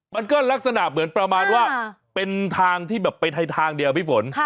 มันก็ลักษณะเหมือนประมาณว่าเป็นทางที่แบบไปทางเดียวพี่ฝน